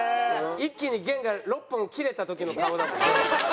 一気に弦が６本切れた時の顔だもんね。